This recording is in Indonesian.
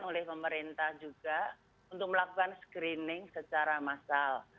oleh pemerintah juga untuk melakukan screening secara massal